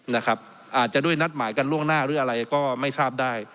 อาจจะด้วยนัดหมายกันล่วงหน้าหรืออะไรก็ไม่ทราบได้